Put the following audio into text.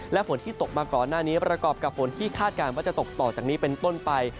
และฝนที่ตกมาก่อนหน้านี้ประกอบกับฝนที่คาดการณ์ว่าจะตกต่อจากนี้เป็นต้นไป